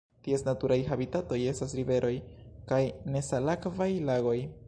Ties naturaj habitatoj estas riveroj kaj nesalakvaj lagoj.